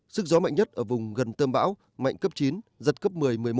sức gió mạnh nhất ở vùng gần tâm bão mạnh cấp chín giật cấp một mươi một mươi một